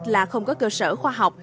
là không có cơ sở khoa học